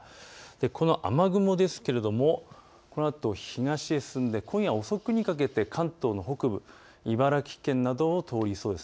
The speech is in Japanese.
この雨雲ですけれどもこのあと東へ進んで、今夜遅くにかけて関東の北部、茨城県などを通りそうです。